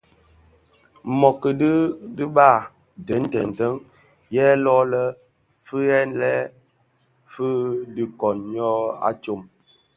Mōōki dhi a diba deň deň deň yè lō lè fighèlèn fi dhi koň ňyô a tsom.